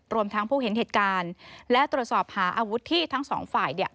รวมทั้งผู้เห็นเหตุการณ์และตรวจสอบหาอาวุธที่ทั้งสองฝ่ายเนี่ย